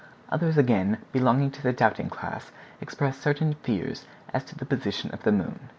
Others again, belonging to the doubting class, expressed certain fears as to the position of the moon.